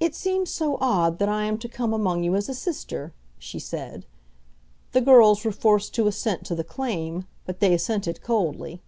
"It seems so odd that I am to come among you as a sister," she said. The girls were forced to assent to the claim, but they assented coldly.